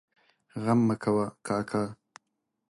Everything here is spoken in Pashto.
غم مه کوه کاکا!